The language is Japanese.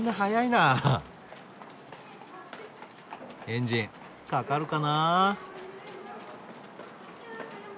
エンジンかかるかなあ。